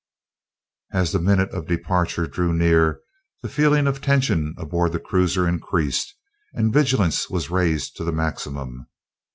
As the minute of departure drew near, the feeling of tension aboard the cruiser increased and vigilance was raised to the maximum.